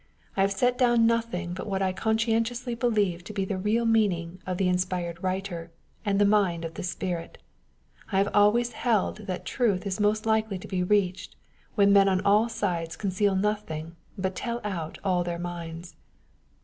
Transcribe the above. I have set down nothing but what I conscientiously believe to be the real meaning of the inspired writer, and the mind of the Spirit. I have always held that truth is most likely to be reached, when men on all sides conceal nothing, but tell out aU their minds.